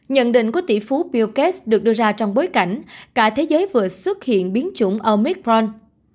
nhận định của tỷ phú bill gates được đưa ra trong bối cảnh cả thế giới vừa xuất hiện biến chủng omicron